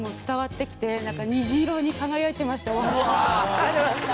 ありがとうございます。